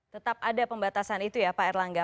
tetap ada pembatasan itu ya pak erlangga